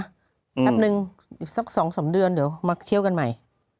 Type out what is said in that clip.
แป๊บนึงอีกสัก๒๓เดือนเดี๋ยวมาเที่ยวกันใหม่